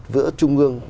giữa trung ương